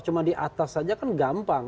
cuma di atas saja kan gampang